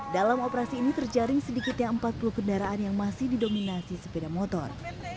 dalam operasi ini terjaring sedikitnya empat puluh kendaraan yang masih didominasi sepeda motor